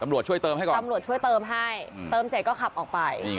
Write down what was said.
ช่วยเติมให้ก่อนตำรวจช่วยเติมให้เติมเสร็จก็ขับออกไป